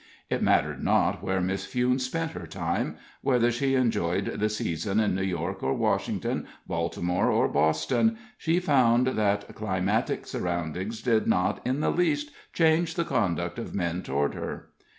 It mattered not where Miss Fewne spent her time: whether she enjoyed the season in New York or Washington, Baltimore or Boston, she found that climatic surroundings did not in the least change the conduct of men toward her.